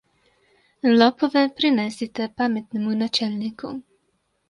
Lopove prinesite pametnemu načelniku.